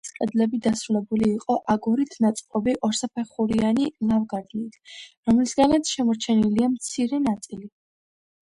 ეკლესიის კედლები დასრულებული იყო აგურით ნაწყობი ორსაფეხურიანი ლავგარდნით, რომლისგანაც შემორჩენილია მცირე ნაწილი.